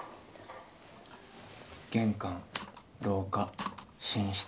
玄関廊下寝室